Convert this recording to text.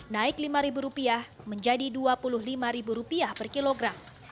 naik rp lima menjadi rp dua puluh lima per kilogram